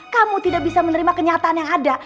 kamu tidak bisa menerima kenyataan yang ada